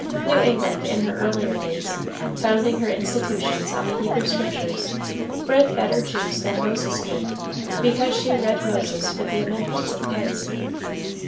New England, in her earlier days, founding her institutions on the Hebrew Scriptures, bred better Jews than Moses could, because she read Moses with the amendments of Christ.